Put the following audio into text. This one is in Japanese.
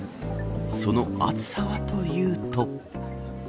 その暑さはというと。